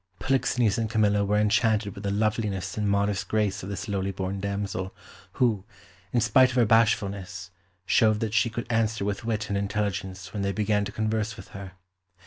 Polixenes and Camillo were enchanted with the loveliness and modest grace of this lowly born damsel, who, in spite of her bashfulness, showed that she could answer with wit and intelligence when they began to converse with her.